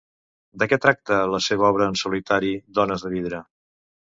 De què tracta la seva obra en solitari Dones de vidre?